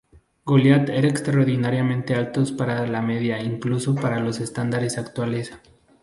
Goliat era extraordinariamente alto para la media incluso para los estándares actuales.